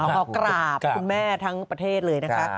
มากราบคุณแม่ทั้งประเทศเลยนะคะ